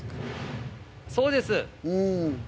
そうです。